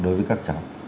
đối với các cháu